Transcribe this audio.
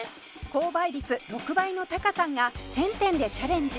高倍率６倍のタカさんが１０００点でチャレンジ